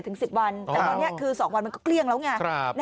ถึง๑๐วันแต่ตอนนี้คือ๒วันมันก็เกลี้ยงแล้วไง